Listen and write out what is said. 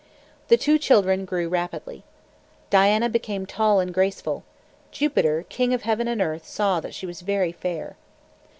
The two children grew rapidly. Diana became tall and graceful. Jupiter, king of heaven and earth, saw that she was very fair.